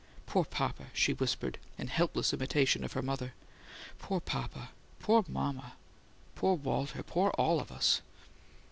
"Poor papa!" she whispered in helpless imitation of her mother. "Poor papa! Poor mama! Poor Walter! Poor all of us!"